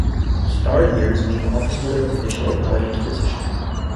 Starred years mean the officeholder was initially appointed to position.